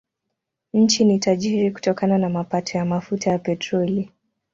Nchi ni tajiri kutokana na mapato ya mafuta ya petroli.